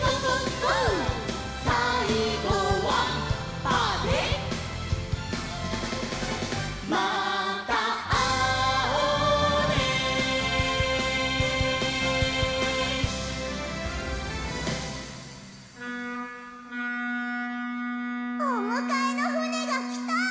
ボッボッ！おむかえのふねがきた！